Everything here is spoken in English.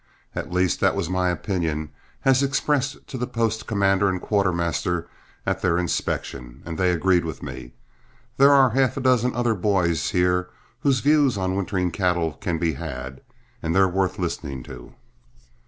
At least that was my opinion as expressed to the post commander and quartermaster at the inspection, and they agreed with me. There are half a dozen other boys here whose views on wintering cattle can be had and they're worth listening to."